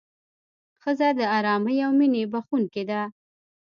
ښځه د ارامۍ او مینې بښونکې ده.